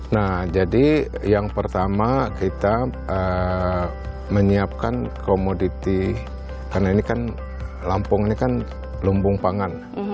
nah jadi yang pertama kita menyiapkan komoditi karena ini kan lampung ini kan lumbung pangan